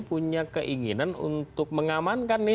punya keinginan untuk mengamankan nih